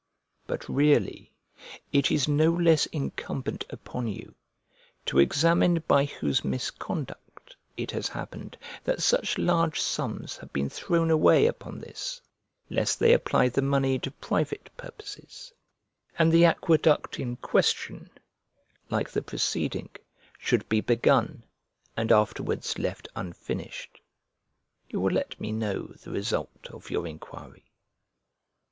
But really it is no less incumbent upon you to examine by whose misconduct it has happened that such large sums have been thrown away upon this, lest they apply the money to private purposes, and the aqueduct in question, like the preceding, should be begun, and afterwards left unfinished. You will let me know the result of your inquiry.